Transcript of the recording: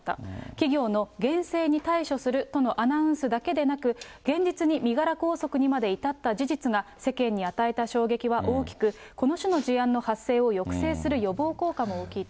企業の厳正に対処するとのアナウンスだけでなく、現実に身柄拘束にまで至った事実が、世間に与えた衝撃は大きく、この種の事案の発生を抑制する予防効果も大きいと。